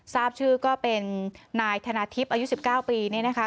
ทราบชื่อก็เป็นนายธนาทิพย์อายุ๑๙ปีเนี่ยนะคะ